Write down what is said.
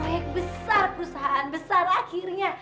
naik besar perusahaan besar akhirnya